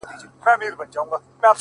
د هر غم په ښهرگو کي آهتزاز دی’